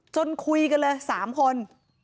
คุยกันเลย๓คน